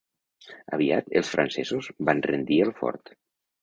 Aviat, els francesos van rendir el fort.